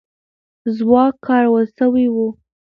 ځواک کارول سوی وو.